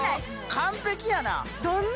完璧やな！